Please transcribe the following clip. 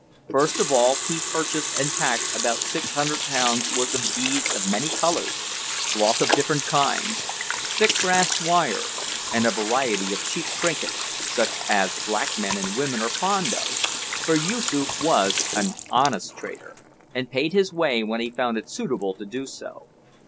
First of all, he purchased and packed about 600 pounds worth of beads of many colours, cloth of different kinds, thick brass wire, and a variety of cheap trinkets, such as black men and women are fond of, for Yoosoof was an "honest" trader, and paid his way when he found it suitable to do so.